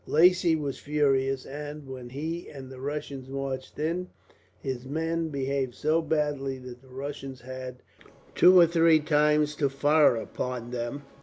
Lacy was furious and, when he and the Russians marched in, his men behaved so badly that the Russians had, two or three times, to fire upon them.